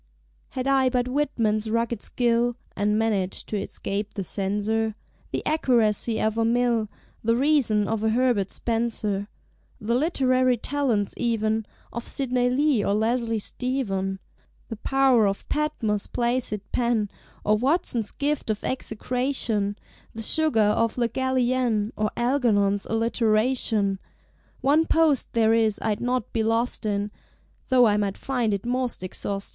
Had I but Whitman's rugged skill, (And managed to escape the Censor), The Accuracy of a Mill, The Reason of a Herbert Spencer, The literary talents even Of Sidney Lee or Leslie Stephen. The pow'r of Patmore's placid pen, Or Watson's gift of execration, The sugar of Le Gallienne, Or Algernon's Alliteration. One post there is I'd not be lost in, Tho' I might find it most ex austin'!